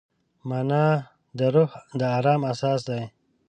مانا د روح د ارام اساس دی.